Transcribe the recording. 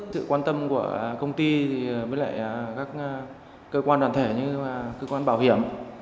sự quan tâm của công ty với lại các cơ quan đoàn thể như cơ quan bảo hiểm